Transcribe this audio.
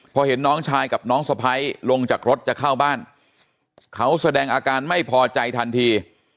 พอเห็นน้องชายกับน้องสะพ้ายลงจากรถจะเข้าบ้านเขาแสดงอาการไม่พอใจทันที